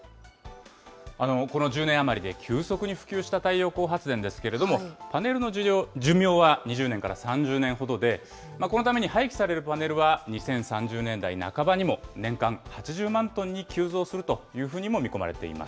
この１０年余りで急速に普及した太陽光発電ですけれども、パネルの寿命は２０年から３０年ほどで、このために廃棄されるパネルは２０３０年代半ばにも年間８０万トンに急増するというふうにも見込まれています。